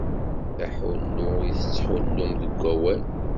D aḥullu i ttḥullun deg wawal.